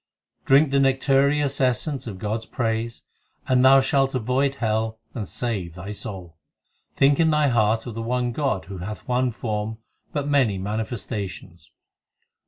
Drink the nectareous essence of God s praise, And thou shalt avoid hell and save thy soul. Think in thy heart of the one God Who hath one form but many manifestations.